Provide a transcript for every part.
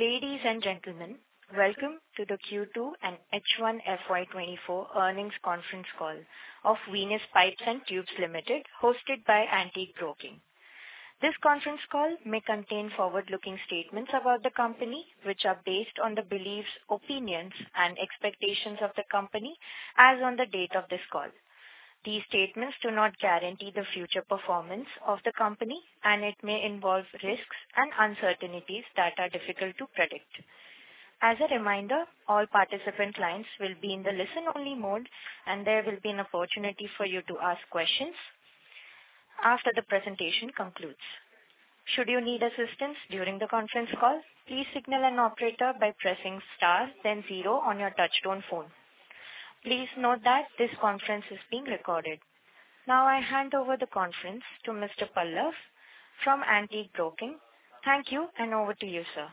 Ladies and gentlemen, welcome to the Q2 and H1 FY 2024 earnings conference call of Venus Pipes and Tubes Limited, hosted by Antique Stock Broking. This conference call may contain forward-looking statements about the company, which are based on the beliefs, opinions and expectations of the company as on the date of this call. These statements do not guarantee the future performance of the company, and it may involve risks and uncertainties that are difficult to predict. As a reminder, all participant lines will be in the listen-only mode, and there will be an opportunity for you to ask questions after the presentation concludes. Should you need assistance during the conference call, please signal an operator by pressing * then zero on your touchtone phone. Please note that this conference is being recorded. I hand over the conference to Mr. Pallav from Antique Stock Broking. Thank you, and over to you, sir.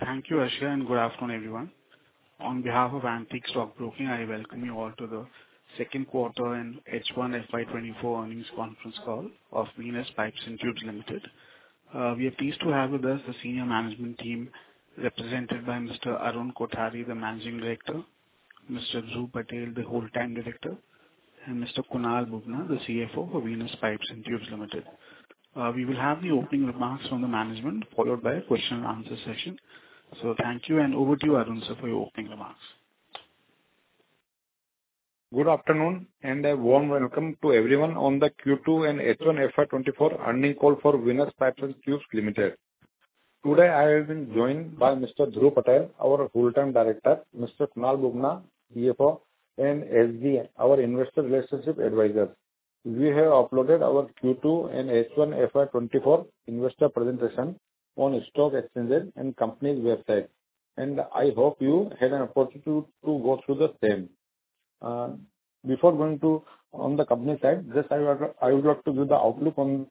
Thank you, Ashlea, and good afternoon, everyone. On behalf of Antique Stock Broking, I welcome you all to the second quarter and H1 FY 2024 earnings conference call of Venus Pipes and Tubes Limited. We are pleased to have with us the senior management team represented by Mr. Arun Kothari, the Managing Director, Mr. Dhruv Patel, the Whole-Time Director, and Mr. Kunal Bubna, the CFO for Venus Pipes and Tubes Limited. We will have the opening remarks from the management, followed by a question and answer session. Thank you, and over to you, Arun, sir, for your opening remarks. Good afternoon, and a warm welcome to everyone on the Q2 and H1 FY 2024 earnings call for Venus Pipes and Tubes Limited. Today, I have been joined by Mr. Dhruv Patel, our Whole-Time Director, Mr. Kunal Bubna, CFO, and SJ, our investor relationship advisor. We have uploaded our Q2 and H1 FY 2024 investor presentation on stock exchanges and company website, and I hope you had an opportunity to go through the same. Before going on the company side, I would like to give the outlook on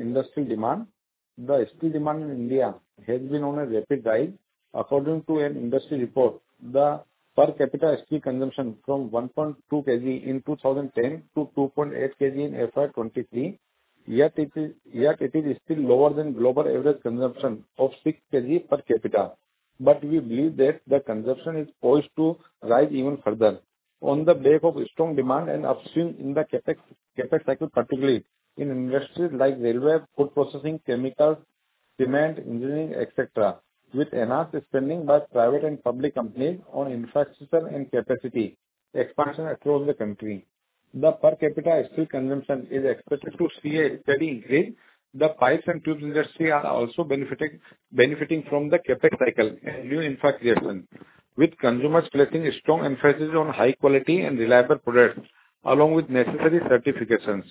industry demand. The steel demand in India has been on a rapid rise. According to an industry report, the per capita steel consumption from 1.2 kg in 2010 to 2.8 kg in FY 2023, yet it is still lower than global average consumption of 6 kg per capita. We believe that the consumption is poised to rise even further on the back of strong demand and upswing in the CapEx cycle, particularly in industries like railway, food processing, chemicals, cement, engineering, et cetera, with enhanced spending by private and public companies on infrastructure and capacity expansion across the country. The per capita steel consumption is expected to see a steady increase. The pipes and tubes industry are also benefiting from the CapEx cycle and new infrastructure, with consumers placing a strong emphasis on high-quality and reliable products along with necessary certifications.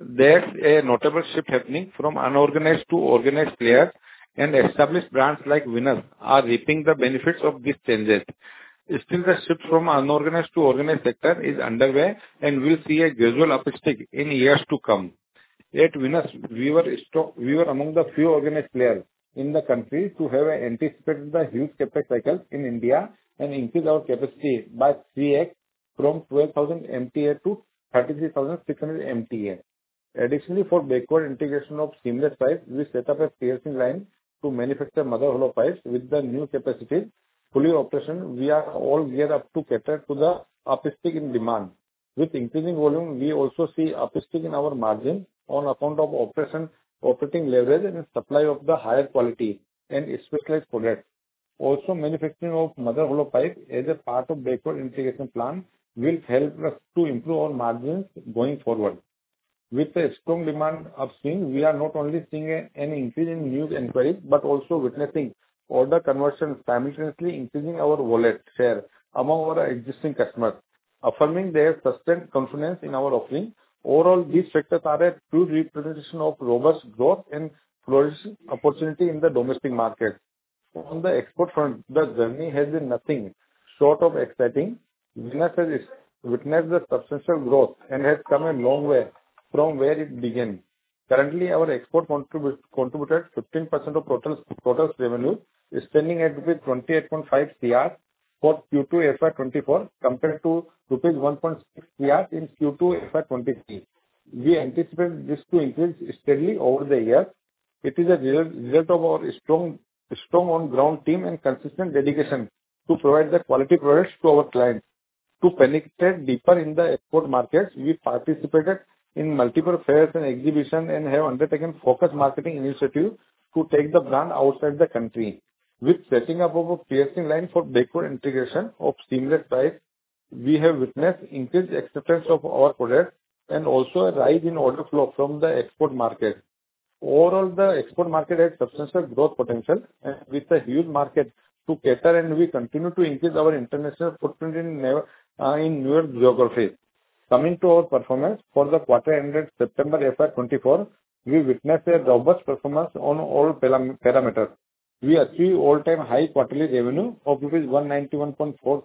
There is a notable shift happening from unorganized to organized players, and established brands like Venus are reaping the benefits of these changes. The shift from unorganized to organized sector is underway, and we will see a gradual uptick in years to come. At Venus, we were among the few organized players in the country to have anticipated the huge CapEx cycle in India and increase our capacity by 3x from 12,000 MTA to 33,600 MTA. Additionally, for backward integration of seamless pipes, we set up a piercing line to manufacture mother hollow pipes with the new capacity. Fully operational, we are all geared up to cater to the uptick in demand. With increasing volume, we also see uptick in our margin on account of operating leverage and supply of the higher quality and specialized products. Also, manufacturing of mother hollow pipe as a part of backward integration plan will help us to improve our margins going forward. With the strong demand upswing, we are not only seeing an increase in new inquiries, but also witnessing order conversions simultaneously increasing our wallet share among our existing customers, affirming their sustained confidence in our offering. Overall, these factors are a true representation of robust growth and flourishing opportunity in the domestic market. On the export front, the journey has been nothing short of exciting. Venus has witnessed a substantial growth and has come a long way from where it began. Currently, our export contributed 15% of total revenue, standing at rupees 28.5 crore for Q2 FY 2024 compared to rupees 1.6 crore in Q2 FY 2023. We anticipate this to increase steadily over the years. It is a result of our strong on-ground team and consistent dedication to provide the quality products to our clients. To penetrate deeper in the export markets, we participated in multiple fairs and exhibitions and have undertaken focused marketing initiatives to take the brand outside the country. With setting up of a piercing line for backward integration of seamless pipes, we have witnessed increased acceptance of our products and also a rise in order flow from the export market. Overall, the export market has substantial growth potential and with a huge market to cater, and we continue to increase our international footprint in newer geographies. Coming to our performance for the quarter ended September FY 2024, we witnessed a robust performance on all parameters. We achieved all-time high quarterly revenue of rupees 191.4 crore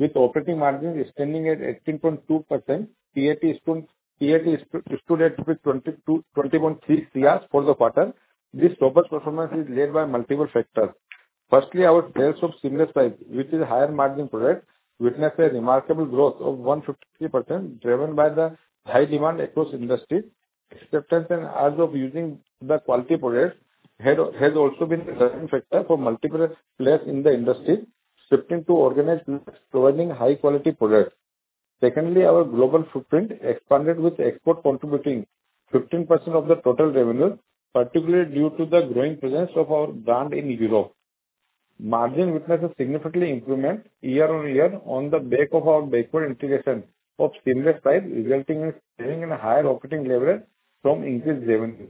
with operating margin standing at 18.2%. PAT stood at 21.3 crore for the quarter. This robust performance is led by multiple factors. Firstly, our sales of seamless pipes, which is higher margin product, witnessed a remarkable growth of 153%, driven by the high demand across industry. Acceptance and urge of using the quality product has also been a driving factor for multiple players in the industry, shifting to organized players providing high quality products. Secondly, our global footprint expanded with export contributing 15% of the total revenue, particularly due to the growing presence of our brand in Europe. Margin witnesses significantly improvement year-over-year on the back of our backward integration of seamless pipes, resulting in turning in a higher operating leverage from increased revenue.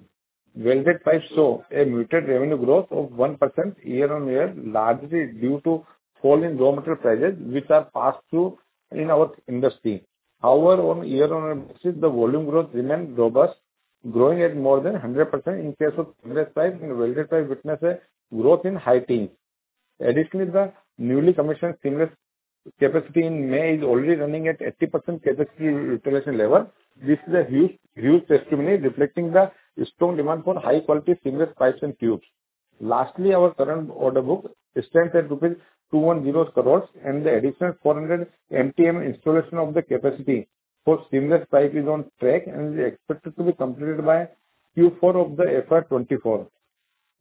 Welded pipes show a muted revenue growth of 1% year-on-year, largely due to fall in raw material prices, which are passed through in our industry. However, on a year-over-year basis, the volume growth remains robust, growing at more than 100% in case of seamless pipes and welded pipes witness a growth in high teens. Additionally, the newly commissioned seamless capacity in May is already running at 80% capacity utilization level. This is a huge testimony reflecting the strong demand for high-quality seamless pipes and tubes. Lastly, our current order book stands at rupees 210 crore and the additional 400 MTM installation of the capacity for seamless pipe is on track and is expected to be completed by Q4 of FY 2024.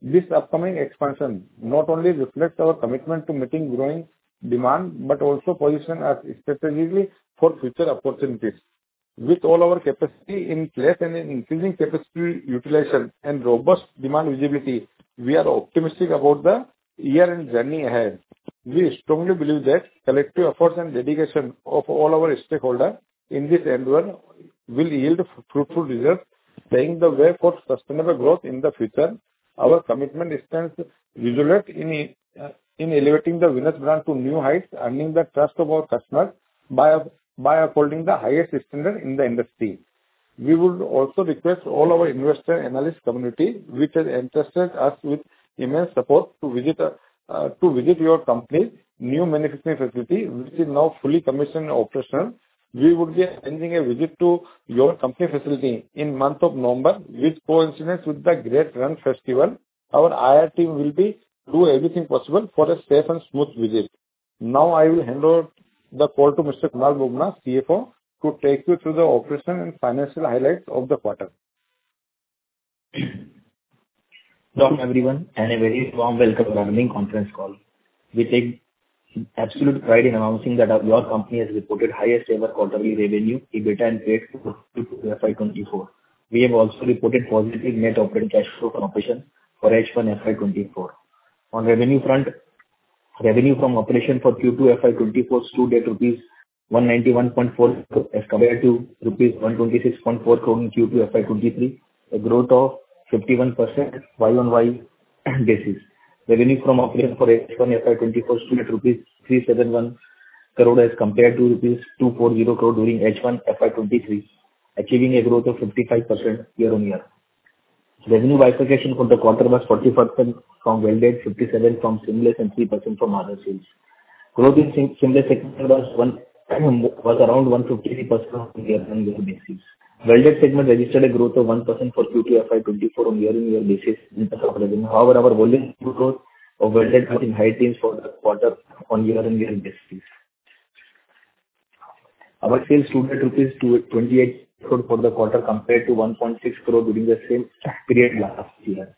This upcoming expansion not only reflects our commitment to meeting growing demand, but also position us strategically for future opportunities. With all our capacity in place and an increasing capacity utilization and robust demand visibility, we are optimistic about the year and journey ahead. We strongly believe that collective efforts and dedication of all our stakeholder in this endeavor will yield fruitful results, paving the way for sustainable growth in the future. Our commitment remains resolute in elevating the Venus brand to new heights, earning the trust of our customers by upholding the highest standard in the industry. We would also request all our investor analyst community which has entrusted us with immense support to visit our company's new manufacturing facility, which is now fully commissioned and operational. We would be arranging a visit to our company facility in month of November, which coincides with the Rann Utsav. Our IR team will do everything possible for a safe and smooth visit. Now I will hand over the call to Mr. Kunal Bubna, CFO, to take you through the operation and financial highlights of the quarter. Hello everyone, and a very warm welcome to our earning conference call. We take absolute pride in announcing that our beloved company has reported highest ever quarterly revenue, EBITDA and PAT for FY 2024. We have also reported positive net operating cash flow from operations for H1 FY 2024. On revenue front, revenue from operation for Q2 FY 2024 stood at rupees 191.4 crore as compared to rupees 126.4 crore in Q2 FY 2023, a growth of 51% year-on-year basis. Revenue from operation for H1 FY 2024 stood at rupees 371 crore as compared to rupees 240 crore during H1 FY 2023, achieving a growth of 55% year-on-year. Revenue diversification for the quarter was 40% from welded, 57% from seamless and 3% from other sales. Growth in seamless segment was around 153% on year-on-year basis. Welded segment registered a growth of 1% for Q2 FY 2024 on year-on-year basis in terms of revenue. However, our volume growth of welded was in high teens for the quarter on year-on-year basis. Our sales stood at 28 crore rupees for the quarter compared to 1.6 crore during the same period last year.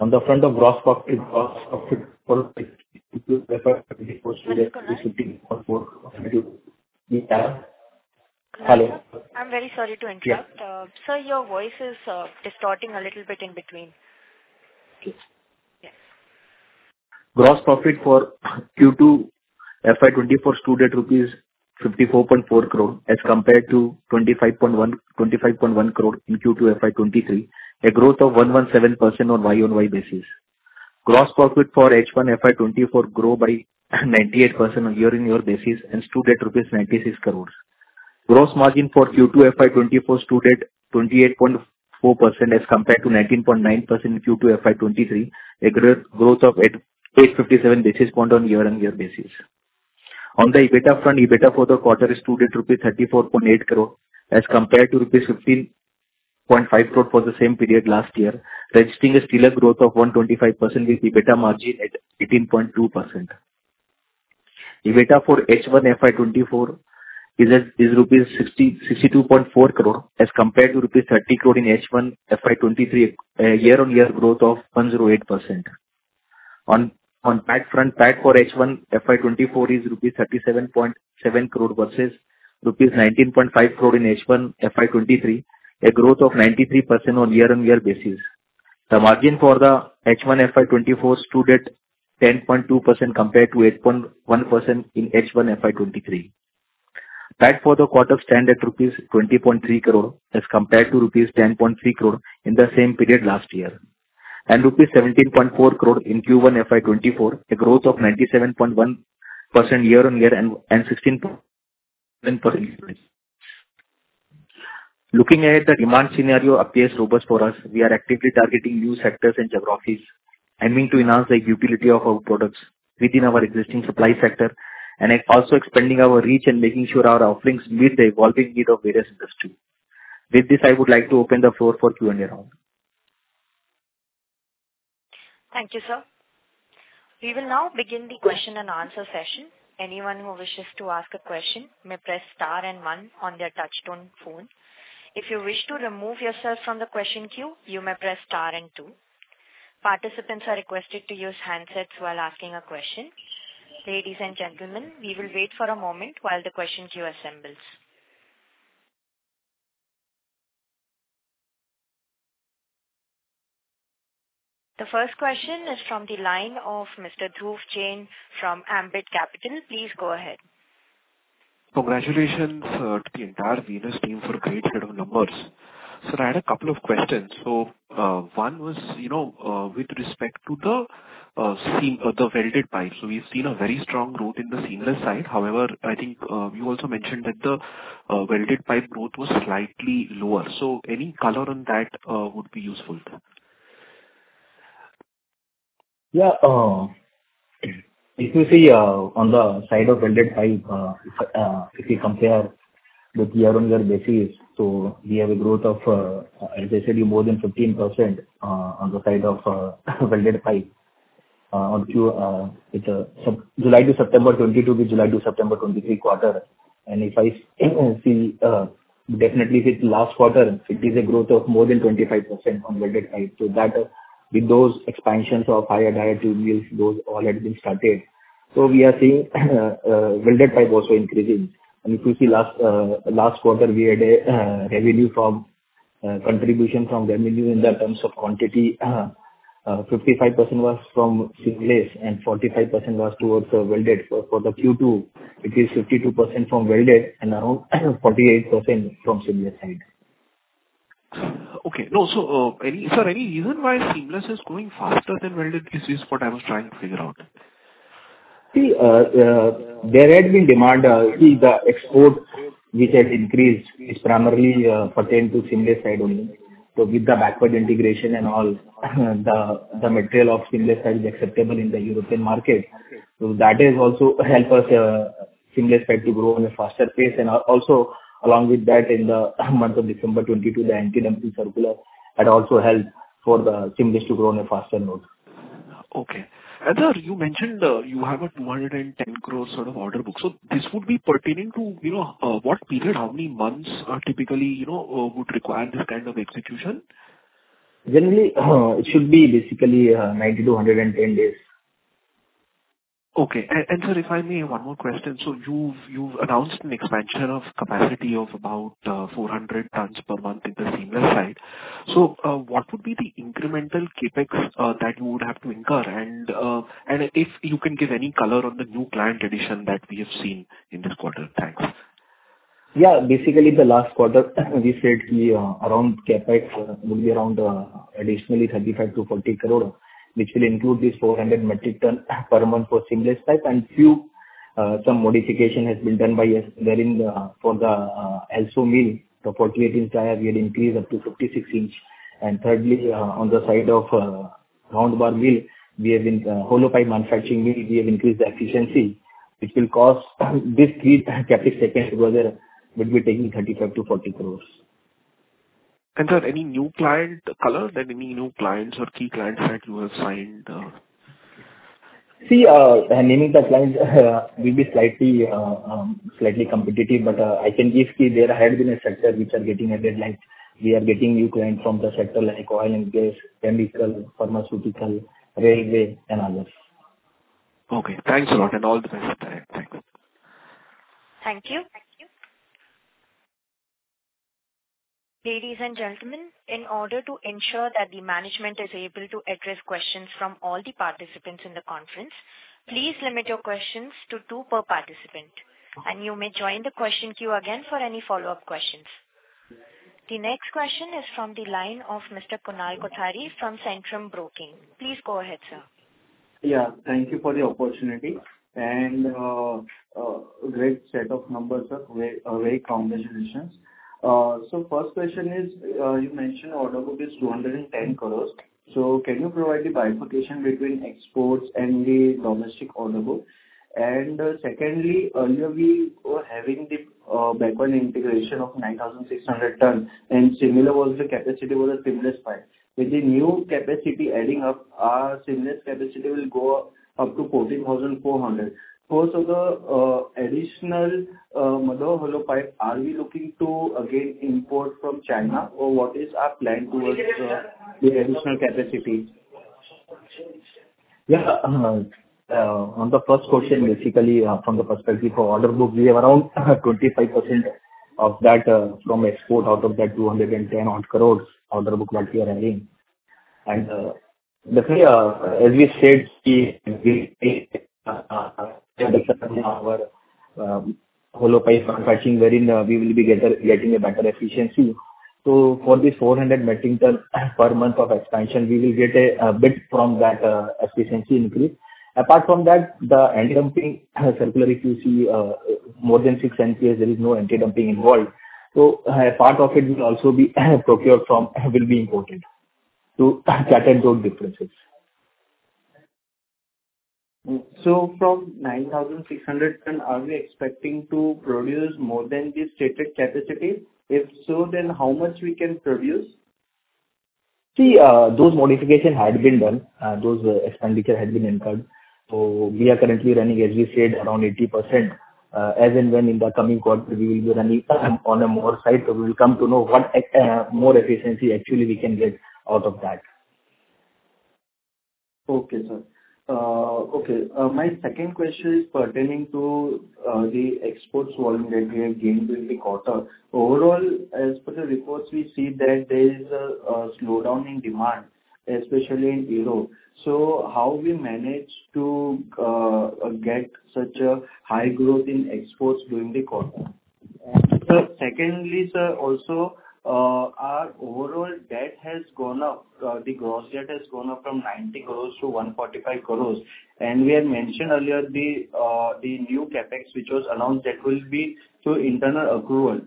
On the front of gross profit for Q2 FY 2024 stood at- Hello. Hello. I'm very sorry to interrupt. Yeah. Sir, your voice is distorting a little bit in between. Okay. Yes. Gross profit for Q2 FY 2024 stood at rupees 54.4 crore as compared to 25.1 crore in Q2 FY 2023, a growth of 117% on year-on-year basis. Gross profit for H1 FY 2024 grow by 98% on year-on-year basis and stood at rupees 96 crore. Gross margin for Q2 FY 2024 stood at 28.4% as compared to 19.9% in Q2 FY 2023, a growth of 857 basis points on year-on-year basis. On the EBITDA front, EBITDA for the quarter stood at 34.8 crore rupees as compared to 15.5 crore rupees for the same period last year, registering a stellar growth of 125%, with EBITDA margin at 18.2%. EBITDA for H1 FY 2024 is INR 62.4 crore as compared to INR 30 crore in H1 FY 2023, a year-on-year growth of 108%. On PAT front, PAT for H1 FY 2024 is rupees 37.7 crore versus rupees 19.5 crore in H1 FY 2023, a growth of 93% on year-on-year basis. The margin for the H1 FY 2024 stood at 10.2% compared to 8.1% in H1 FY 2023. PAT for the quarter stand at rupees 20.3 crore as compared to rupees 10.3 crore in the same period last year, and rupees 17.4 crore in Q1 FY 2024, a growth of 97.1% year-on-year and 16.7% respectively. Looking ahead, the demand scenario appears robust for us. We are actively targeting new sectors and geographies aiming to enhance the utility of our products within our existing supply sector and also expanding our reach and making sure our offerings meet the evolving need of various industries. With this, I would like to open the floor for Q&A round. Thank you, sir. We will now begin the question and answer session. Anyone who wishes to ask a question may press star and one on their touch tone phone. If you wish to remove yourself from the question queue, you may press star and two. Participants are requested to use handsets while asking a question. Ladies and gentlemen, we will wait for a moment while the question queue assembles. The first question is from the line of Mr. Dhruv Jain from Ambit Capital. Please go ahead. Congratulations to the entire Venus team for a great set of numbers. I had a couple of questions. One was with respect to the welded pipe. We've seen a very strong growth in the seamless side. However, I think you also mentioned that the welded pipe growth was slightly lower. Any color on that would be useful. If you see on the side of welded pipe, if we compare with year-on-year basis, we have a growth of, as I said, more than 15% on the side of welded pipe. On July to September 2022 with July to September 2023 quarter. If I see definitely the last quarter, it is a growth of more than 25% on welded pipe. That with those expansions of higher diameter mills, those all have been started. We are seeing welded pipe also increasing. If you see last quarter, we had a contribution from revenue in the terms of quantity. 55% was from seamless and 45% was towards welded. For the Q2, it is 52% from welded and around 48% from seamless side. Okay. Is there any reason why seamless is growing faster than welded is what I was trying to figure out. There had been demand. The exports which had increased, it primarily pertained to seamless side only. With the backward integration and all, the material of seamless side is acceptable in the European market. That has also helped us seamless side to grow in a faster pace. Along with that, in the month of December 2022, the anti-dumping circular had also helped for the seamless to grow on a faster note. Okay. Sir, you mentioned you have a 210 crore sort of order book. This would be pertaining to what period, how many months typically would require this kind of execution? Generally, it should be basically 90 to 110 days. Okay. Sir, if I may, one more question. You've announced an expansion of capacity of about 400 tons per month in the seamless side. What would be the incremental CapEx that you would have to incur? If you can give any color on the new client addition that we have seen in this quarter. Thanks. Basically the last quarter we said around CapEx will be around additionally 35 to 40 crore, which will include this 400 metric ton per month for seamless pipe and some modification has been done by us there for the ERW mill. The 48 inch tire we had increased up to 56 inch. Thirdly, on the side of round bar mill, hollow pipe manufacturing mill, we have increased the efficiency, which will cost these three CapEx together between INR 35 to INR 40 crores. Sir, any new client, the color, that any new clients or key clients that you have signed? Naming the clients will be slightly competitive, but I can give you. There had been a sector which are getting a red light. We are getting new client from the sector like oil and gas, chemical, pharmaceutical, railway and others. Thanks a lot and all the best. Thank you. Thank you. Ladies and gentlemen, in order to ensure that the management is able to address questions from all the participants in the conference, please limit your questions to two per participant, and you may join the question queue again for any follow-up questions. The next question is from the line of Mr. Kunal Kothari from Centrum Broking. Please go ahead, sir. Thank you for the opportunity and great set of numbers. Way congratulations. First question is, you mentioned order book is 210 crores, can you provide the bifurcation between exports and the domestic order book? Secondly, earlier we were having the backward integration of 9,600 ton, and similar was the capacity with the seamless pipe. With the new capacity adding up, our seamless capacity will go up to 14,400. The additional mother hollow pipe, are we looking to again import from China or what is our plan towards the additional capacity? Yeah. On the first question, basically from the perspective of order book, we have around 25% of that from export. Out of that 210 odd crores order book that we are adding. The way as we said, we mother hollow pipe manufacturing wherein we will be getting a better efficiency. For this 400 metric ton per month of expansion, we will get a bit from that efficiency increase. Apart from that, the anti-dumping circular, if you see more than six inches, there is no anti-dumping involved. Part of it will also be imported. That and those differences. From 9,600 ton, are we expecting to produce more than the stated capacity? If so, how much we can produce? See, those modifications had been done, those expenditures had been incurred. We are currently running, as we said, around 80%. As and when in the coming quarter, we will be running on more side. We will come to know what more efficiency actually we can get out of that. Okay, sir. My second question is pertaining to the exports volume that we have gained during the quarter. Overall, as per the reports, we see that there is a slowdown in demand, especially in Europe. How we managed to get such a high growth in exports during the quarter? Secondly, sir, also our overall debt has gone up. The gross debt has gone up from 90 crores to 145 crores. We had mentioned earlier the new CapEx, which was announced, that will be through internal accrual.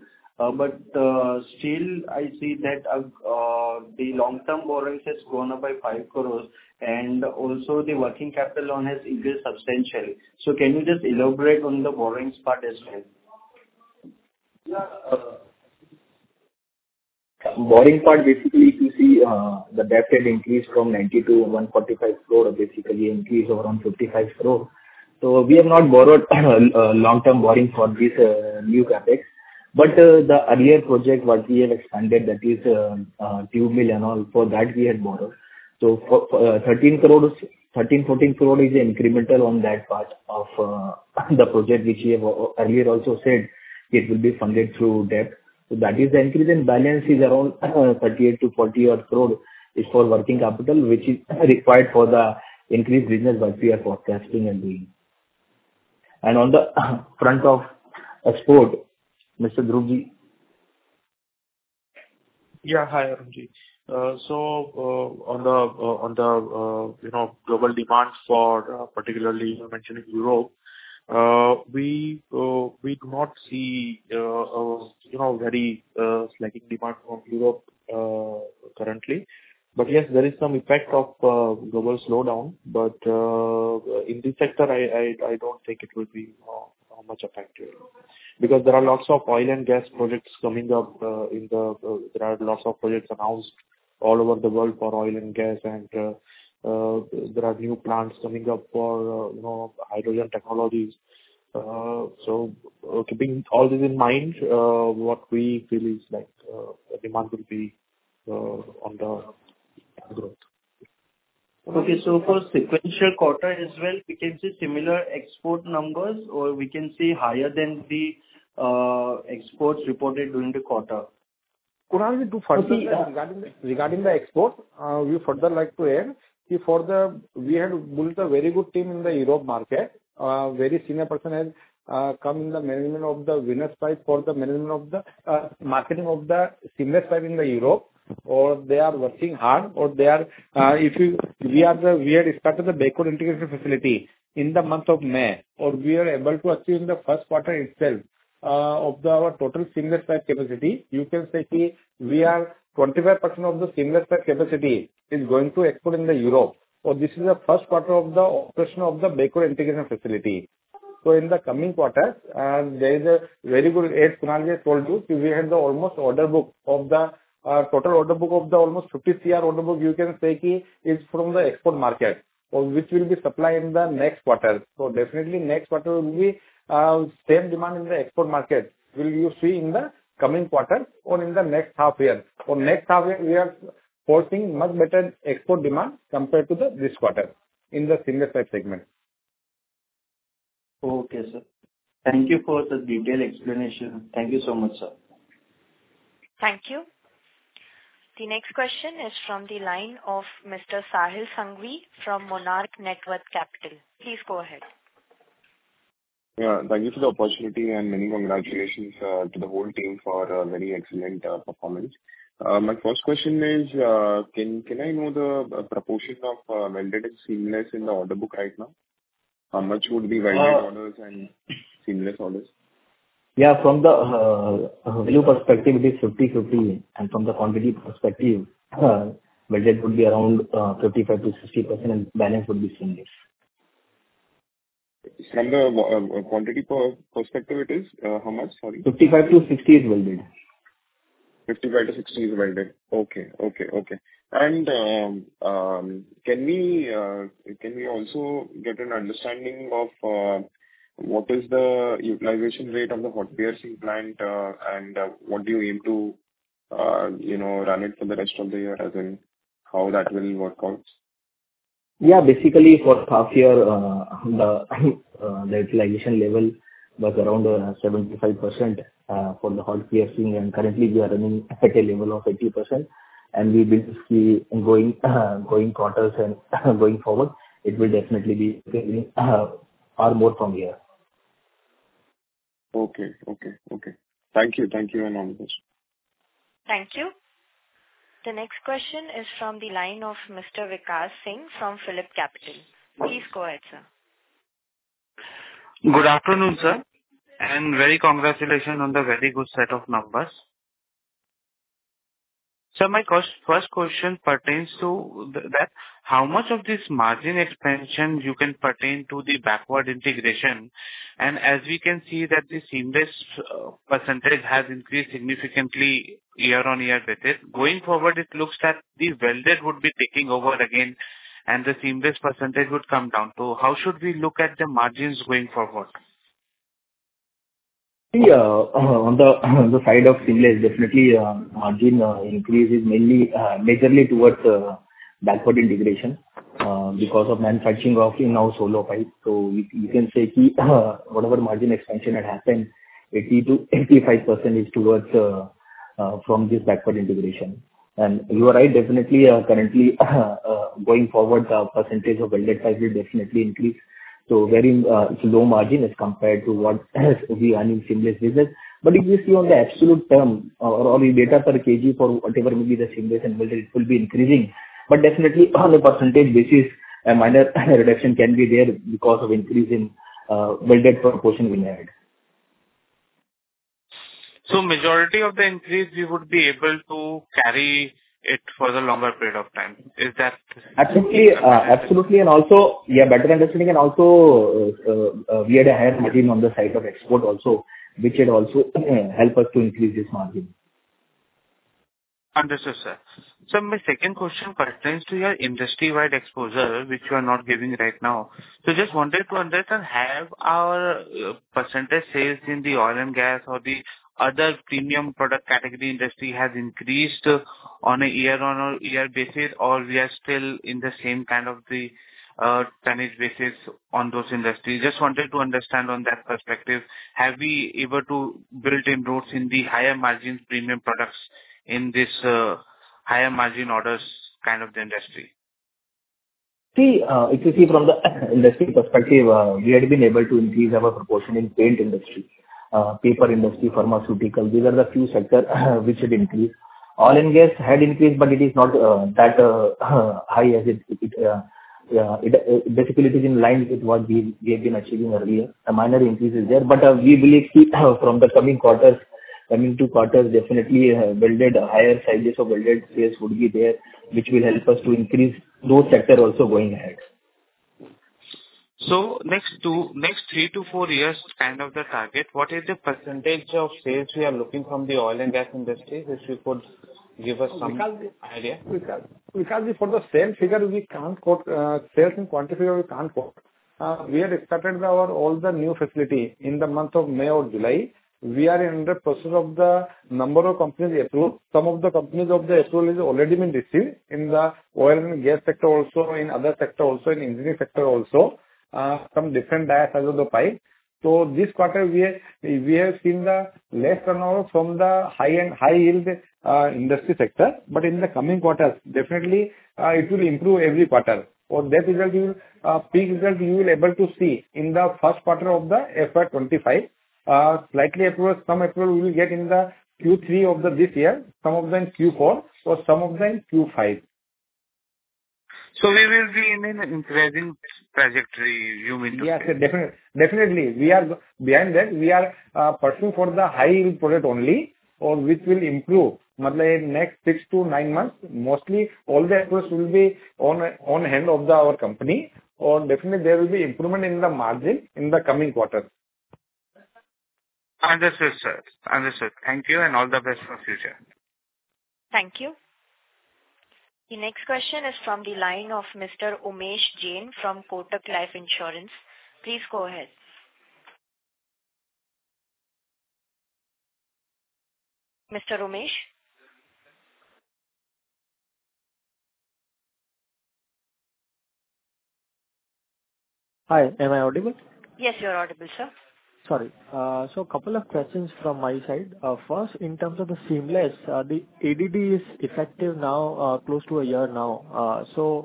Still, I see that the long-term borrowings has gone up by 5 crores, also the working capital loan has increased substantially. Can you just elaborate on the borrowings part as well? Borrowing part, basically, if you see the debt has increased from 90 to 145 crore, basically increased around 55 crore. We have not borrowed long-term borrowing for this new CapEx. The earlier project what we have expanded, that is tube mill and all, for that we had borrowed. For 13 crore-14 crore is incremental on that part of the project, which we have earlier also said it will be funded through debt. That is the increase in balance is around 38 crore-40 crore is for working capital, which is required for the increased business that we are forecasting and doing. On the front of export, Dhruv ji. Hi, Arun ji. On the global demand for particularly mentioning Europe, we do not see very slacking demand from Europe currently. Yes, there is some effect of global slowdown. In this sector, I don't think it will be much affected. There are lots of oil and gas projects coming up. There are lots of projects announced all over the world for oil and gas, and there are new plants coming up for hydrogen technologies. Keeping all this in mind, what we feel is that the demand will be on the growth. Okay. For sequential quarter as well, we can see similar export numbers or we can see higher than the exports reported during the quarter. Kunal ji, regarding the export, we further like to add. We had built a very good team in the Europe market. Very senior person has come in the management of the seamless pipe for the marketing of the seamless pipe in the Europe. They are working hard. We had started the backward integration facility in the month of May, and we are able to achieve in the first quarter itself of our total seamless pipe capacity. You can say we are 25% of the seamless pipe capacity is going to export in the Europe. This is the first quarter of the operation of the backward integration facility. In the coming quarters, there is a very good, as Kunal ji has told you, we have almost order book of the total order book of almost 50 crore order book, you can say is from the export market, which will be supplied in the next quarter. Definitely next quarter will be same demand in the export market will you see in the coming quarter or in the next half year. For next half year, we are forecasting much better export demand compared to this quarter in the seamless pipe segment. Okay, sir. Thank you for the detailed explanation. Thank you so much, sir. Thank you. The next question is from the line of Mr. Sahil Sanghi from Monarch Networth Capital. Please go ahead. Yeah. Thank you for the opportunity. Many congratulations to the whole team for a very excellent performance. My first question is, can I know the proportion of welded and seamless in the order book right now? How much would be welded orders and seamless orders? Yeah. From the value perspective, it is 50-50, and from the quantity perspective, welded would be around 55%-60%, and balance would be seamless. From the quantity perspective, it is how much, sorry? 55-60 is welded. 55-60 is welded. Okay. Can we also get an understanding of what is the utilization rate of the hot piercing plant, and what do you aim to run it for the rest of the year, as in how that will work out? Yeah. Basically, for half year, the utilization level was around 75% for the hot piercing. Currently, we are running at a level of 80% and we will see in going quarters and going forward, it will definitely be or more from here. Okay. Thank you. Next question. Thank you. The next question is from the line of Mr. Vikas Singh from PhillipCapital. Please go ahead, sir. Good afternoon, sir, and very congratulation on the very good set of numbers. Sir, my first question pertains to how much of this margin expansion you can pertain to the backward integration. As we can see that the seamless percentage has increased significantly year-over-year basis. Going forward, it looks that the welded would be taking over again and the seamless percentage would come down. How should we look at the margins going forward? On the side of seamless, definitely margin increase is majorly towards backward integration because of manufacturing of in-house hollow pipes. You can say whatever margin expansion had happened, 80%-85% is from this backward integration. You are right, definitely currently, going forward, the percentage of welded pipe will definitely increase. Wherein it's low margin as compared to what we earn in seamless business. But if you see on the absolute term or the data per kg for whatever may be the seamless and welded, it will be increasing, but definitely on the percentage basis, a minor reduction can be there because of increase in welded proportion going ahead. Majority of the increase you would be able to carry it for the longer period of time. Is that- Absolutely. Also we have better understanding and also we had a higher margin on the side of export also, which had also helped us to increase this margin. Understood, sir. Sir, my second question pertains to your industry-wide exposure, which you are not giving right now. Just wanted to understand, have our percentage sales in the oil and gas or the other premium product category industry has increased on a year-over-year basis? We are still in the same kind of the tonnage basis on those industries? Just wanted to understand on that perspective, have we able to build inroads in the higher margins premium products in this higher margin orders kind of the industry? If you see from the industry perspective, we had been able to increase our proportion in paint industry, paper industry, pharmaceutical. These are the few sectors which had increased. Oil and gas had increased, but it is not that high as it. It is in line with what we have been achieving earlier. A minor increase is there, but we believe from the coming two quarters, definitely higher sizes of welded sales would be there, which will help us to increase those sector also going ahead. Next three to four years kind of the target, what is the percentage of sales we are looking from the oil and gas industry? If you could give us some idea. Priyikaze, for the sales figure, we can't quote. Sales in quantity we can't quote. We had started our all the new facility in the month of May or July. We are in the process of the number of companies approval. Some of the companies of the approval is already been received in the oil and gas sector also, in other sector also, in engineering sector also, some different diameter size of the pipe. This quarter we have seen the less turnover from the high-yield industry sector. In the coming quarters, definitely it will improve every quarter. That result will peak result you will able to see in the first quarter of the FY 2025. Slightly approval, some approval we will get in the Q3 of this year, some of them Q4, or some of them Q5. We will be in an increasing trajectory you mean to say. Yes, definitely. We are behind that. We are pursuing for the high-yield product only or which will improve. In next six to nine months, mostly all the approvals will be on hand of our company. Definitely there will be improvement in the margin in the coming quarters. Understood, sir. Thank you and all the best for future. Thank you. The next question is from the line of Mr. Umesh Jain from Kotak Life Insurance. Please go ahead. Mr. Umesh? Hi, am I audible? Yes, you are audible, sir. Sorry. Couple of questions from my side. First, in terms of the seamless, the ADD is effective now close to a year now.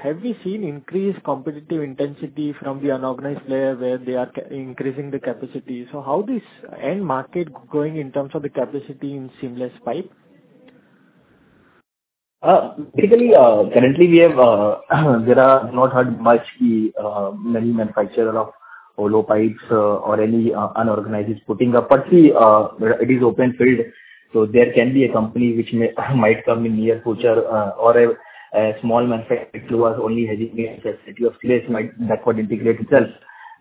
Have we seen increased competitive intensity from the unorganized layer where they are increasing the capacity? How this end market growing in terms of the capacity in seamless pipe? Basically, currently we have not had much many manufacturer of hollow pipes or any unorganized putting up. It is open field, so there can be a company which might come in near future or a small manufacturer who was only having a capacity of slit might backward integrate itself.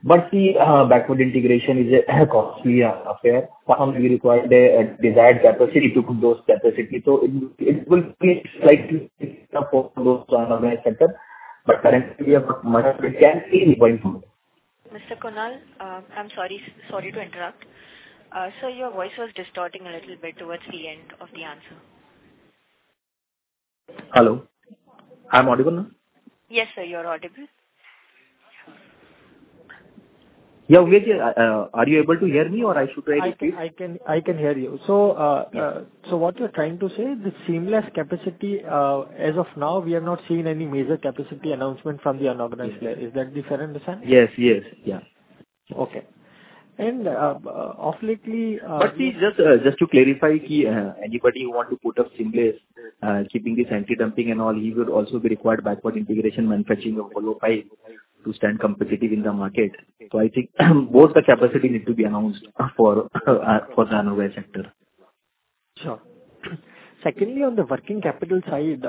Backward integration is a costly affair. Some will require a desired capacity to put those capacity. It will create slightly for those unorganized sector. Currently we have much going forward. Mr. Kunal, I'm sorry to interrupt. Sir, your voice was distorting a little bit towards the end of the answer. Hello, I'm audible now? Yes, sir, you are audible. Yeah, Umesh. Are you able to hear me or I should try it please? I can hear you. What you're trying to say is the seamless capacity, as of now, we have not seen any major capacity announcement from the unorganized layer. Is that the fair understand? Yes. Okay. Off lately. Just to clarify, anybody who want to put up seamless, keeping this anti-dumping and all, he would also be required backward integration manufacturing of hollow pipe. To stand competitive in the market, I think both the capacity need to be announced for the annual sector. Sure. Secondly, on the working capital side,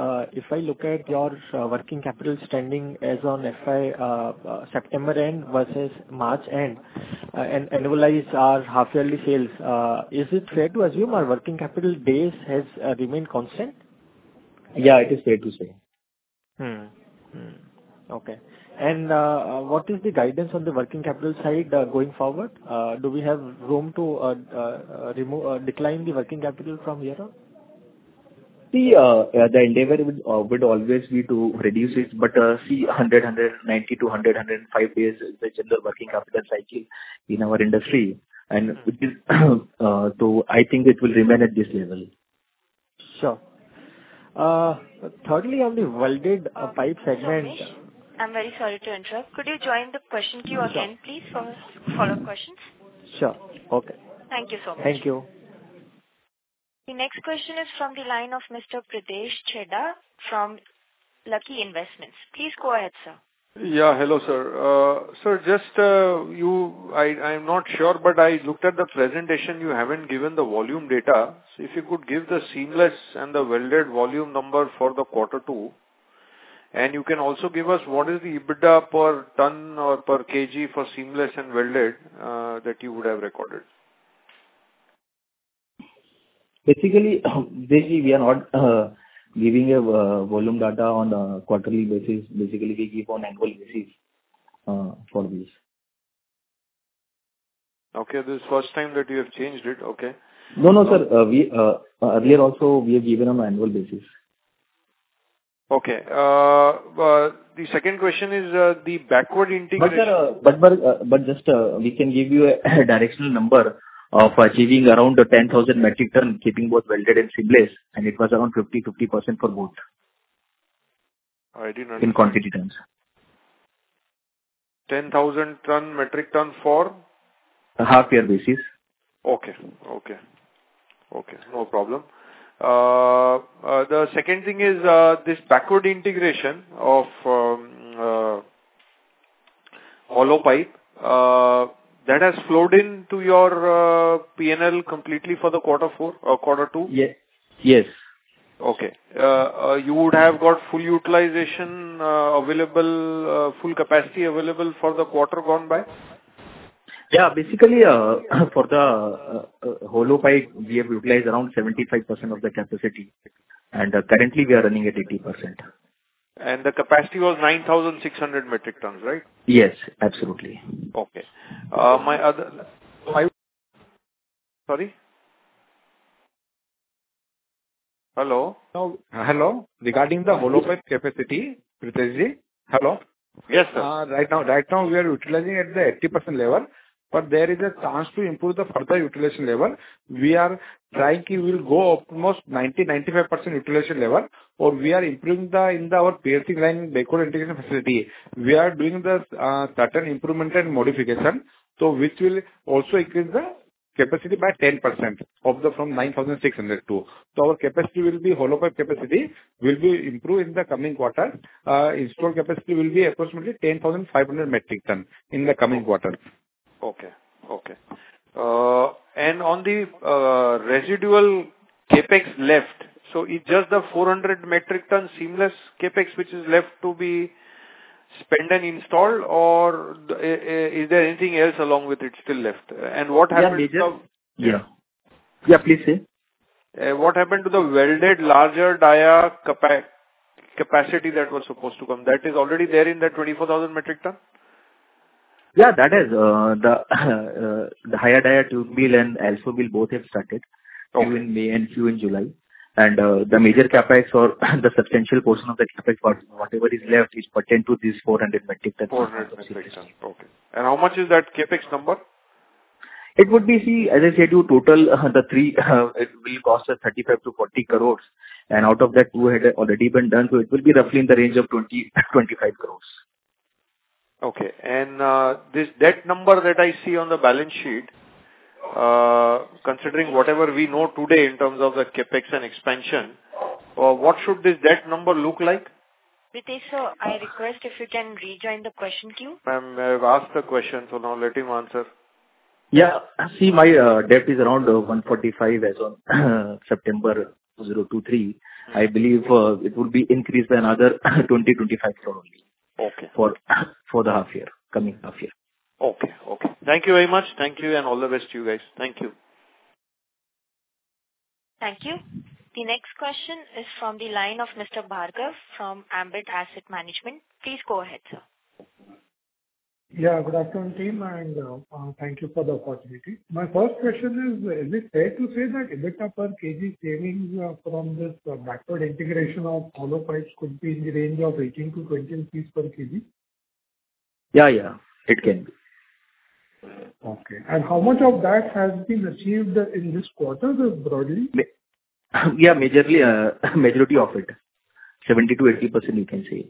if I look at your working capital standing as on FY September end versus March end, and annualize our half-yearly sales, is it fair to assume our working capital base has remained constant? Yeah, it is fair to say. Okay. What is the guidance on the working capital side going forward? Do we have room to decline the working capital from here on? See, the endeavor would always be to reduce it, see, 190 to 105 days is the general working capital cycle in our industry, I think it will remain at this level. Sure. Thirdly, on the welded pipe segment. Suresh, I'm very sorry to interrupt. Could you join the question queue again, please, for follow-up questions? Sure. Okay. Thank you so much. Thank you. The next question is from the line of Mr. Pritesh Chheda from Lucky Investment Managers. Please go ahead, sir. Yeah. Hello, sir. Sir, I am not sure, but I looked at the presentation. You haven't given the volume data. If you could give the seamless and the welded volume number for the quarter two, and you can also give us what is the EBITDA per ton or per kg for seamless and welded that you would have recorded. Basically, Pritesh, we are not giving volume data on a quarterly basis. Basically, we give on annual basis for this. Okay. This is the first time that you have changed it. Okay. No, no, sir. Earlier also, we have given on annual basis. Okay. The second question is the backward integration. Just we can give you a directional number of achieving around 10,000 metric ton, keeping both welded and seamless, and it was around 50/50% for both. I didn't understand. In quantity terms. 10,000 metric ton for? A half year basis. Okay. No problem. The second thing is this backward integration of hollow pipe that has flowed into your P&L completely for the quarter two? Yes. Okay. You would have got full utilization available, full capacity available for the quarter gone by? Yeah. Basically, for the hollow pipe, we have utilized around 75% of the capacity, and currently we are running at 80%. The capacity was 9,600 metric tons, right? Yes, absolutely. Okay. Sorry. Hello? Hello. Regarding the hollow pipe capacity, Priteshji. Hello? Yes, sir. Right now, we are utilizing at the 80% level, but there is a chance to improve the further utilization level. We are trying to go up almost 90-95% utilization level. We are improving in our annealing and pickling line backward integration facility. We are doing the certain improvement and modification, which will also increase the capacity by 10% from 9,600, too. Our hollow pipe capacity will be improved in the coming quarter. Installed capacity will be approximately 10,500 metric ton in the coming quarter. Okay. On the residual CapEx left, it just the 400 metric ton seamless CapEx which is left to be spent and installed, or is there anything else along with it still left? What happened to? Yeah. Please say. What happened to the welded larger dia capacity that was supposed to come? That is already there in the 24,000 metric ton? Yeah, that is the higher dia tube mill and also mill both have started. Few in May and few in July. The major CapEx or the substantial portion of the CapEx for whatever is left is pertaining to this 400 metric ton. 400 metric ton. Okay. How much is that CapEx number? It would be, as I said you, total the three it will cost 35 crore to 40 crore, and out of that, 200 already been done. It will be roughly in the range of 20 crore to 25 crore. Okay. This debt number that I see on the balance sheet, considering whatever we know today in terms of the CapEx and expansion, what should this debt number look like? Pritesh, sir, I request if you can rejoin the question queue. Ma'am, I've asked the question, now let him answer. Yeah. See, my debt is around 145 as on September 2023. I believe it would be increased another 20 crore-25 crore only. Okay. For the coming half year. Okay. Thank you very much. Thank you and all the best to you guys. Thank you. Thank you. The next question is from the line of Mr. Bhargav from Ambit Asset Management. Please go ahead, sir. Yeah, good afternoon, team, thank you for the opportunity. My first question is it fair to say that EBITDA per kg savings from this backward integration of hollow pipes could be in the range of 18-20 per kg? Yeah. It can be. Okay. How much of that has been achieved in this quarter, broadly? Yeah, majority of it, 70%-80%, you can say.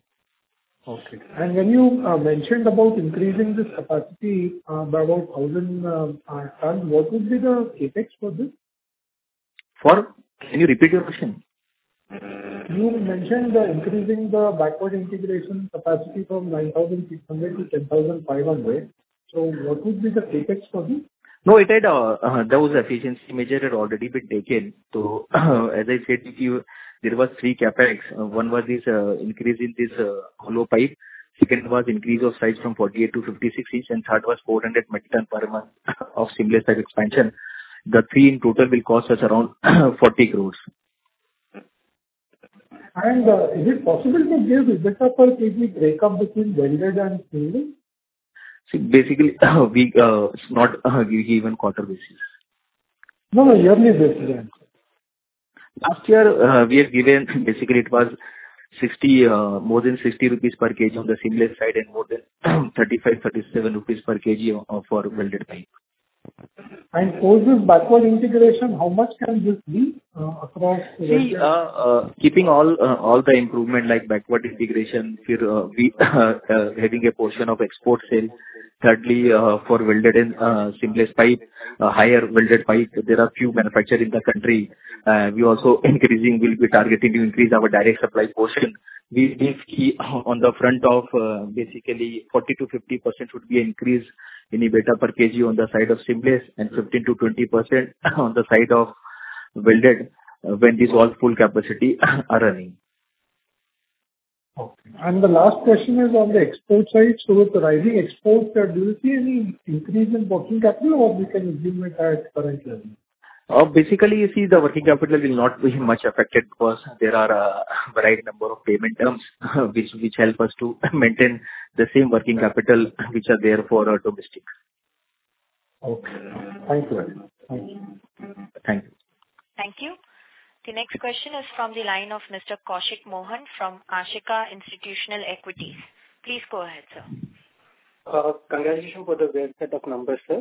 Okay. When you mentioned about increasing this capacity by about 1,000 tons, what would be the CapEx for this? Can you repeat your question? You mentioned increasing the backward integration capacity from 9,600 to 10,500. What would be the CapEx for this? No, those efficiency measures had already been taken. As I said to you, there was three CapEx. One was this increase in this hollow pipe. Second was increase of size from 48 to 56 inch and third was 400 metric tons per month of seamless side expansion. The three in total will cost us around 40 crores. Is it possible to give investors a complete breakup between welded and seamless? See, basically, it's not given quarter basis. No, yearly basis. Last year, we have given, basically it was more than 60 rupees per kg on the seamless side and more than 35-37 rupees per kg for welded pipe. For this backward integration, how much can this be across? See, keeping all the improvement like backward integration, we are having a portion of export sales. Thirdly, for welded and seamless pipe, higher welded pipe, there are few manufacturers in the country. We will be targeting to increase our direct supply portion. We basically on the front of basically 40%-50% should be increased in EBITDA per kg on the side of seamless and 15%-20% on the side of welded, when these all full capacity are running. Okay. The last question is on the export side. With rising exports, sir, do you see any increase in working capital or we can assume it at current level? You see the working capital will not be much affected because there are a right number of payment terms which help us to maintain the same working capital which are there for our domestic. Okay. Thank you. Thank you. Thank you. The next question is from the line of Mr. Kaushik Mohan from Ashika Institutional Equities. Please go ahead, sir. Congratulations for the great set of numbers, sir.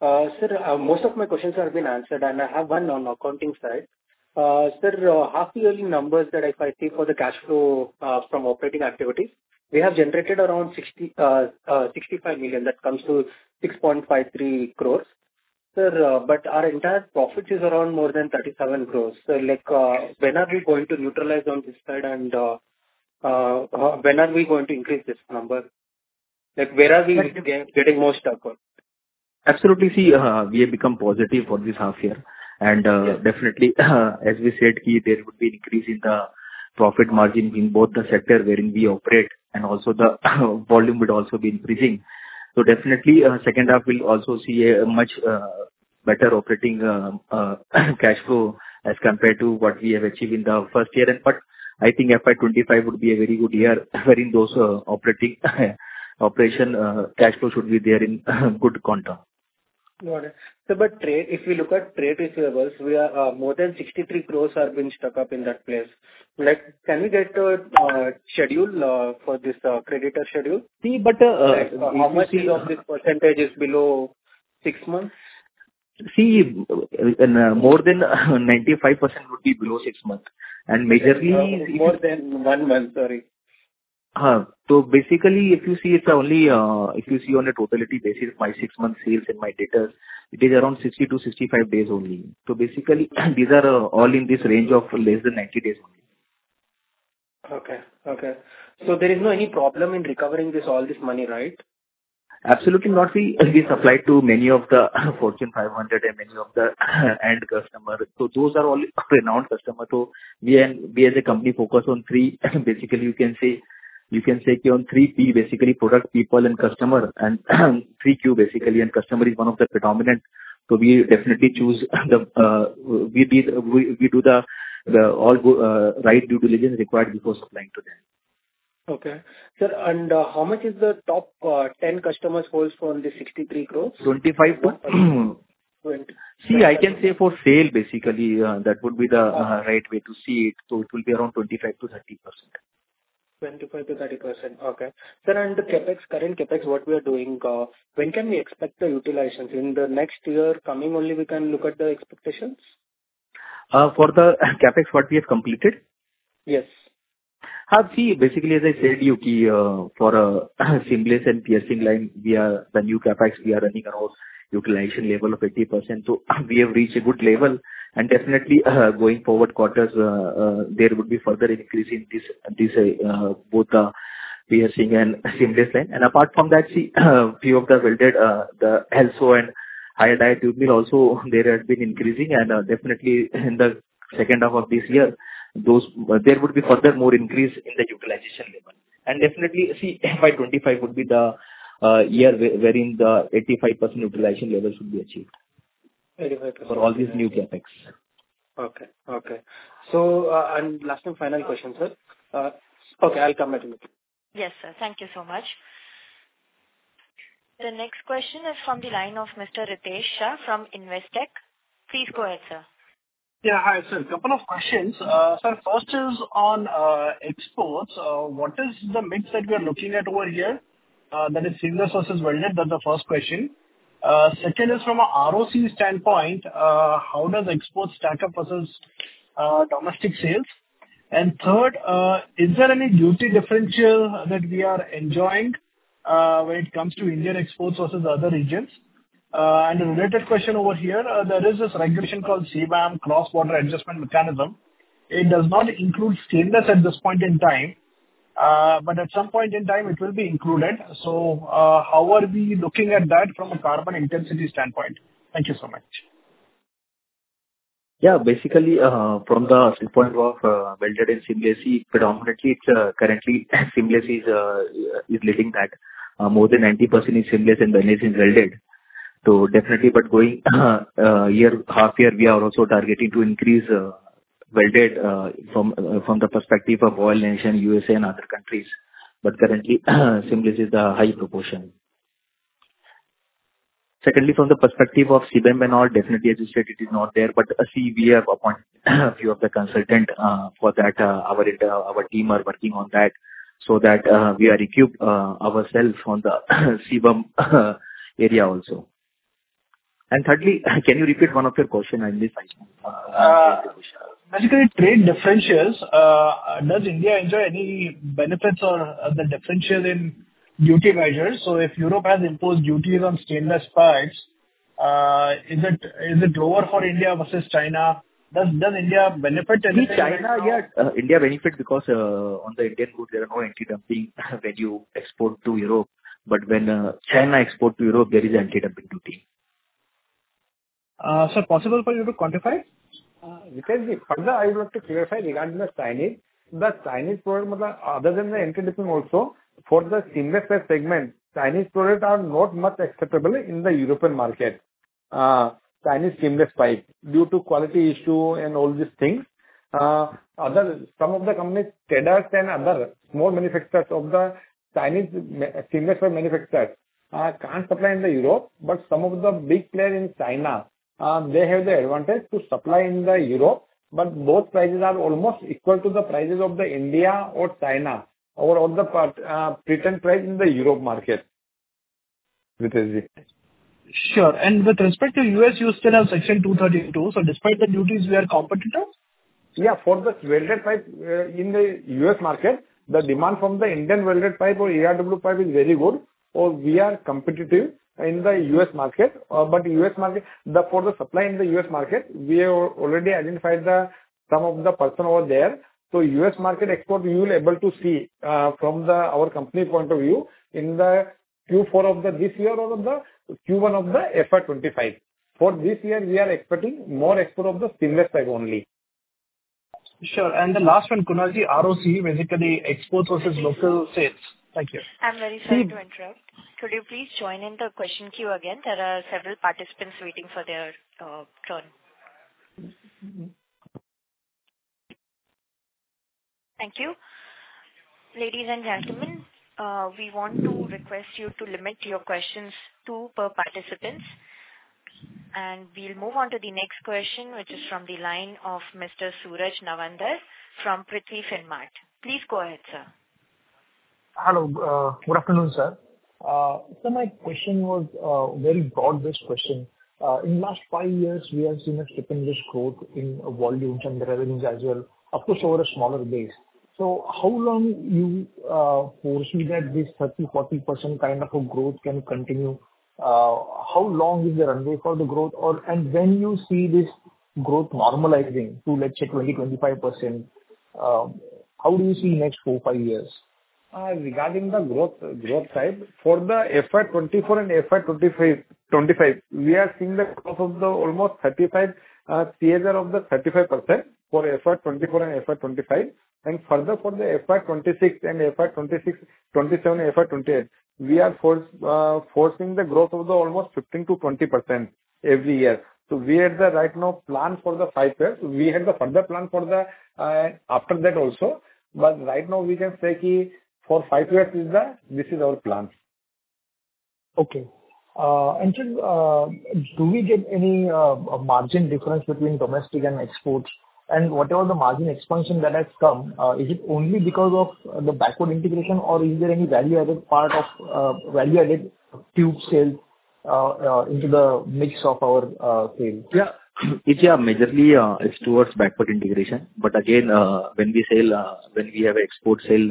Sir, most of my questions have been answered, and I have one on accounting side. Sir, half yearly numbers that if I see for the cash flow from operating activity, we have generated around 65 million. That comes to 6.53 crores. Sir, but our entire profit is around more than 37 crores. When are we going to neutralize on this side and when are we going to increase this number? Where are we getting more stuck on? Absolutely. See, we have become positive for this half year. Definitely, as we said, there would be increase in the profit margin in both the sector wherein we operate, and also the volume would also be increasing. Definitely, second half we'll also see a much better operating cash flow as compared to what we have achieved in the first year. I think FY 2025 would be a very good year wherein those operating, operation cash flow should be there in good quantum. Got it. Sir, if you look at trade receivables, more than 63 crores are being stuck up in that place. Can we get a schedule for this creditor schedule? See. How much of this percentage is below six months? See, more than 95% would be below six months. majorly- More than one month, sorry. Basically, if you see on a totality basis, my six-month sales and my debtors, it is around 60-65 days only. Basically, these are all in this range of less than 90 days only. Okay. There is no any problem in recovering all this money, right? Absolutely not. We supply to many of the Fortune 500 and many of the end customer. Those are all renowned customer. We as a company focus on three, on three P, product, people and customer, and three Q, and customer is one of the predominant. We definitely do all right due diligence required before supplying to them. Okay. Sir, how much is the top 10 customers holds from the 63 crores? 25 to Twenty- See, I can say for sale, that would be the right way to see it. It will be around 25%-30%. 25%-30%. Okay. Sir, the current CapEx, what we are doing, when can we expect the utilization? In the next year coming only we can look at the expectations? For the CapEx, what we have completed? Yes. Basically, as I said you, for a seamless and piercing line, the new CapEx, we are running around utilization level of 80%. We have reached a good level, and definitely, going forward quarters, there would be further increase in both the piercing and seamless line. Apart from that, few of the welded, the ERW and high alloy tube mill also, they had been increasing, and definitely, in the second half of this year, there would be further more increase in the utilization level. Definitely, FY 2025 would be the year wherein the 85% utilization level should be achieved. 85%. For all these new CapEx. Okay. Last and final question, sir. Okay, I'll come back to you. Yes, sir. Thank you so much. The next question is from the line of Mr. Ritesh Shah from Investec. Please go ahead, sir. Yeah. Hi, sir. Couple of questions. Sir, first is on exports. What is the mix that we are looking at over here? That is seamless versus welded. That's the first question. Second is from a ROC standpoint, how does exports stack up versus domestic sales? Third, is there any duty differential that we are enjoying when it comes to Indian exports versus other regions? A related question over here, there is this regulation called CBAM, Cross-Border Adjustment Mechanism. It does not include stainless at this point in time, but at some point in time it will be included. How are we looking at that from a carbon intensity standpoint? Thank you so much. Yeah. Basically, from the standpoint of welded and seamless, predominantly it's currently seamless is leading that. More than 90% is seamless and the rest is welded. Definitely, but going year, half year, we are also targeting to increase welded from the perspective of oil and gas in U.S.A. and other countries. Currently, seamless is the high proportion. Secondly, from the perspective of CBAM and all, definitely as you said it is not there. See, we have appointed a few of the consultant for that. Our team are working on that so that we are equipped ourselves on the CBAM area also. Thirdly, can you repeat one of your question? I missed it. Basically trade differentials. Does India enjoy any benefits or the differential in duty measures? If Europe has imposed duties on stainless pipes, is it lower for India versus China? Does India benefit anything? In China, yeah. India benefit because on the Indian good there are no anti-dumping when you export to Europe. When China export to Europe, there is anti-dumping duty. Sir, possible for you to quantify? Riteshji, further I would like to clarify regarding the Chinese. The Chinese product, other than the anti-dumping also, for the seamless pipe segment, Chinese products are not much acceptable in the European market due to quality issue and all these things. Some of the companies, traders and other small manufacturers of the Chinese seamless pipe manufacturers can't supply in the Europe. Some of the big players in China, they have the advantage to supply in the Europe, but both prices are almost equal to the prices of the India or China or of the prevailing price in the Europe market. Riteshji. Sure. With respect to U.S., you still have Section 232, despite the duties, we are competitors? For the welded pipe in the U.S. market, the demand from the Indian welded pipe or ERW pipe is very good, or we are competitive in the U.S. market. For the supply in the U.S. market, we have already identified some of the persons over there. U.S. market export, we will be able to see from our company point of view in the Q4 of this year or of the Q1 of the FY 2025. For this year, we are expecting more export of the seamless pipe only. Sure. The last one, Kunalji, ROC, basically exports versus local sales. Thank you. I'm very sorry to interrupt. Could you please join in the question queue again? There are several participants waiting for their turn. Thank you. Ladies and gentlemen, we want to request you to limit your questions two per participant. We'll move on to the next question, which is from the line of Mr. Suraj Navandar from Pruthvi Finmart. Please go ahead, sir. Hello. Good afternoon, sir. My question was a very broad-based question. In last five years, we have seen a stupendous growth in volumes and revenues as well, of course, over a smaller base. How long you foresee that this 30%-40% kind of a growth can continue? How long is the runway for the growth? When you see this growth normalizing to, let's say, 20%-25%, how do you see next four, five years? Regarding the growth side, for the FY 2024 and FY 2025, we are seeing the growth of the almost 35%, CAGR of the 35% for FY 2024 and FY 2025. Further for the FY 2026 and FY 2027, FY 2028, we are forecasting the growth of the almost 15%-20% every year. We have the right now plan for the five years. We have the further plan for the after that also. Right now we can say for five years, this is our plan. Okay. Sir, do we get any margin difference between domestic and exports? Whatever the margin expansion that has come, is it only because of the backward integration or is there any value-added tube sales into the mix of our sales? Yeah. It's majorly is towards backward integration. Again, when we have export sale,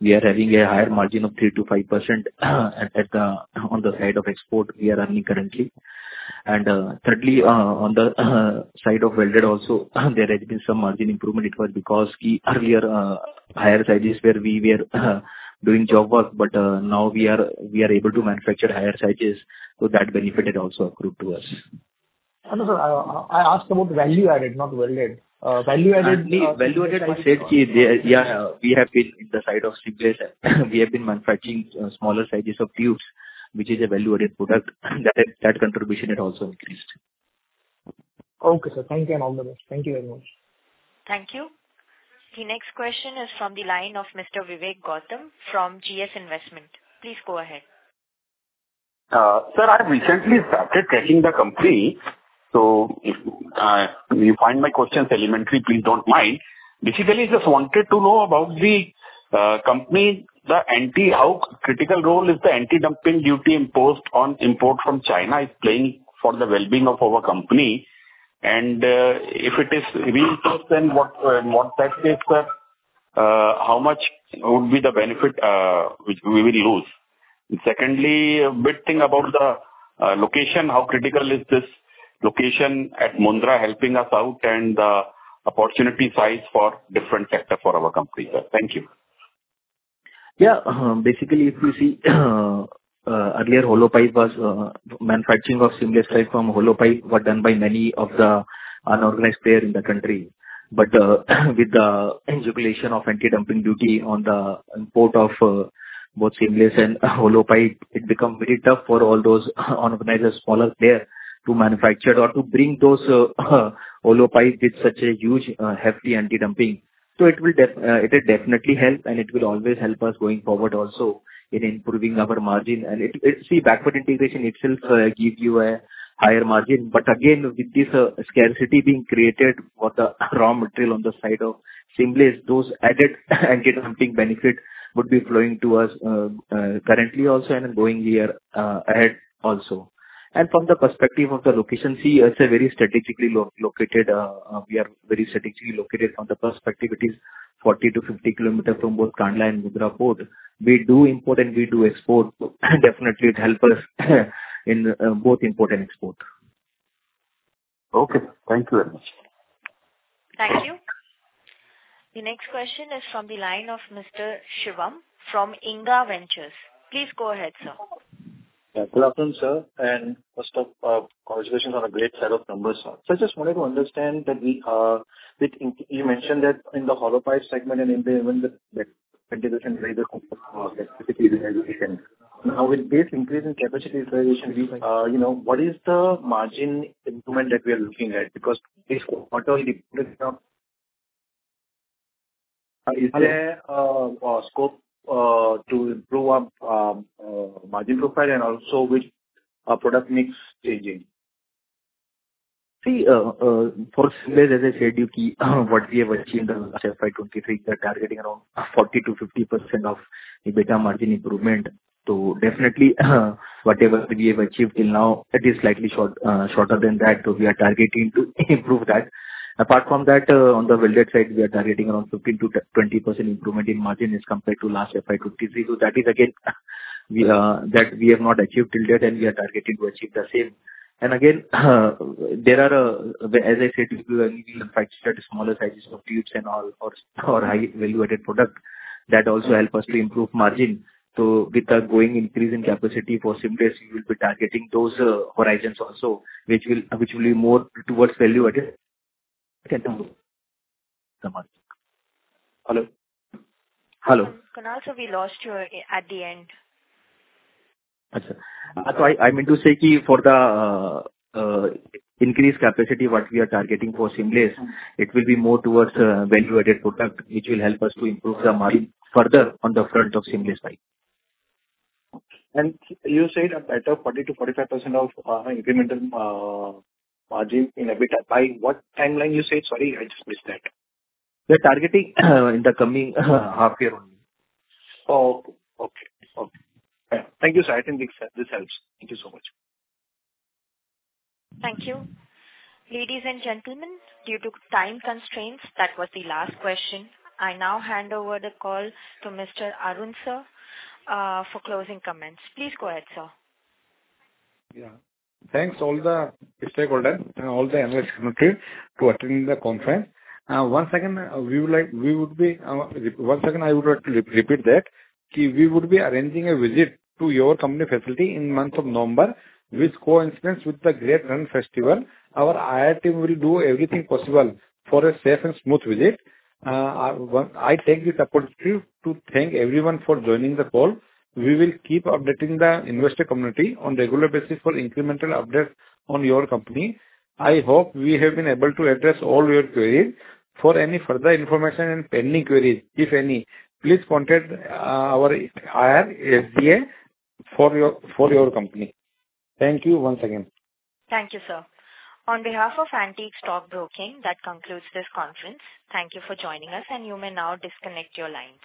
we are having a higher margin of 3%-5% on the side of export we are earning currently. Thirdly, on the side of welded also there has been some margin improvement. It was because earlier higher sizes where we were doing job work, but now we are able to manufacture higher sizes, so that benefit had also accrued to us. Hello sir, I asked about value-added, not welded. Value-added for sales, yeah, we have been in the side of seamless. We have been manufacturing smaller sizes of tubes, which is a value-added product. That contribution had also increased. Okay, sir. Thank you and all the best. Thank you very much. Thank you. The next question is from the line of Mr. Vivek Gautam from GS Investments. Please go ahead. Sir, I've recently started tracking the company. If you find my questions elementary, please don't mind. Just wanted to know about the company, how critical role is the anti-dumping duty imposed on import from China is playing for the wellbeing of our company? If it is reimbursed, then what tax base, how much would be the benefit we will lose? A bit about the location. How critical is this location at Mundra helping us out and the opportunity size for different sector for our company, sir? Thank you. If you see, earlier manufacturing of seamless pipe from hollow pipe was done by many of the unorganized player in the country. With the instigation of anti-dumping duty on the import of both seamless and hollow pipe, it become very tough for all those unorganized or smaller player to manufacture or to bring those hollow pipe with such a huge, hefty anti-dumping. It will definitely help and it will always help us going forward also in improving our margin. backward integration itself gives you a higher margin. Again, with this scarcity being created for the raw material on the side of seamless, those added anti-dumping benefit would be flowing to us currently and going ahead also. From the perspective of the location, we are very strategically located. From the perspective, it is 40 to 50 kilometers from both Kandla and Mundra Port. We do import and we do export. Definitely it help us in both import and export. Okay. Thank you very much. Thank you. The next question is from the line of Mr. Shivam from Inga Ventures. Please go ahead, sir. Good afternoon, sir. First off, congratulations on a great set of numbers. I just wanted to understand, you mentioned that in the hollow pipe segment and even the 20% capacity utilization. With this increase in capacity utilization, what is the margin increment that we are looking at? Because this quarter scope to improve our margin profile and also with product mix changing. See, first, as I said, what we have achieved in FY23, we are targeting around 40%-50% of EBITDA margin improvement. Definitely, whatever we have achieved till now, that is slightly shorter than that, we are targeting to improve that. Apart from that, on the welded side, we are targeting around 15%-20% improvement in margin as compared to last FY23. That is again, that we have not achieved till and we are targeting to achieve the same. Again, as I said, we will be manufacturing smaller sizes of tubes and all or high value-added product. That also help us to improve margin. With the growing increase in capacity for seamless, we will be targeting those horizons also, which will be more towards value-added. Hello? Hello. Kunal, sir, we lost you at the end. Okay. I meant to say, for the increased capacity, what we are targeting for seamless, it will be more towards value-added product, which will help us to improve the margin further on the front of seamless pipe. You said that 40%-45% of incremental margin in EBITDA. By what timeline you say? Sorry, I just missed that. We're targeting in the coming half year only. Okay. Thank you, sir. I think this helps. Thank you so much. Thank you. Ladies and gentlemen, due to time constraints, that was the last question. I now hand over the call to Mr. Arun, sir, for closing comments. Please go ahead, sir. Yeah. Thanks all the stakeholder and all the analyst community to attending the conference. Once again, I would like to repeat that. We would be arranging a visit to your company facility in month of November, which coincides with the Great Rann Festival. Our IR team will do everything possible for a safe and smooth visit. I take this opportunity to thank everyone for joining the call. We will keep updating the investor community on regular basis for incremental updates on your company. I hope we have been able to address all your queries. For any further information and pending queries, if any, please contact our IR, SBA for your company. Thank you once again. Thank you, sir. On behalf of Antique Stock Broking, that concludes this conference. Thank you for joining us and you may now disconnect your lines.